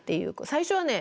最初はね